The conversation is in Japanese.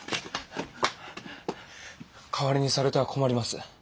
代わりにされては困ります。